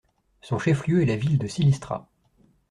Son chef-lieu est la ville de Silistra.